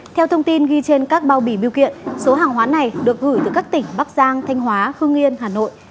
theo thông tin ghi trên các bao bì biêu kiện số hàng hóa này được gửi từ các tỉnh bắc giang thanh hóa hương yên hà nội